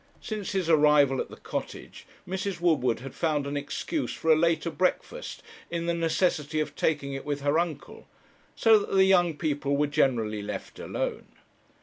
Since his arrival at the cottage, Mrs. Woodward had found an excuse for a later breakfast in the necessity of taking it with her uncle; so that the young people were generally left alone.